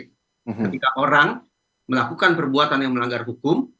ketika orang melakukan perbuatan yang melanggar hukum